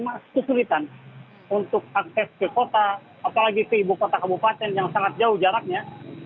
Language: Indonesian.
masih kesulitan untuk akses ke kota apalagi ke ibukota kebupaten yang sangat jauh jaraknya